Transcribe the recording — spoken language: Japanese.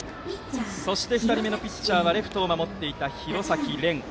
２人目のピッチャーはレフトを守っていた廣崎漣。